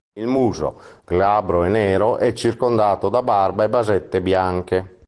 Il muso, glabro e nero, è circondato da barba e basette bianche.